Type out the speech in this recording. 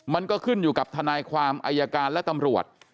มันก็ขึ้นอยู่กับทนายความอายการและตำรวจ